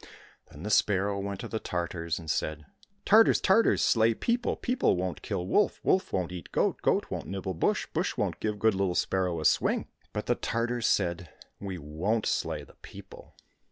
— Then the sparrow went to the Tartars and said, " Tartars, Tartars, slay people, people won't kill wolf, wolf won't eat goat, goat won't nibble bush, bush won't give good little sparrow a swing." — But the Tartars said, " We won't slay the people